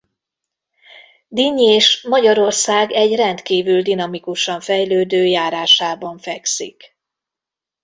Dinnyés Magyarország egy rendkívül dinamikusan fejlődő járásában fekszik.